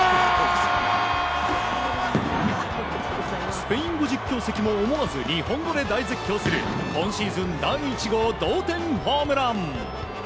スペイン語実況席もおもわず日本語で大絶叫する今シーズン第１号同点ホームラン。